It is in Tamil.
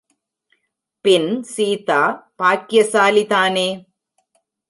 பின், சீதா பாக்கியசாலி தானே?